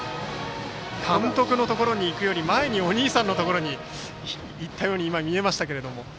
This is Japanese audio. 監督のところに行くより前にお兄さんのところに行ったように見えましたけども。